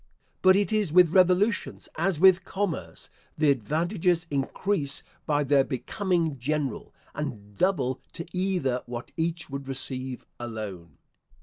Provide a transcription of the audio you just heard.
But it is with revolutions as with commerce, the advantages increase by their becoming general, and double to either what each would receive alone.